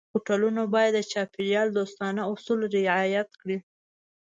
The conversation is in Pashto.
هوټلونه باید د چاپېریال دوستانه اصول رعایت کړي.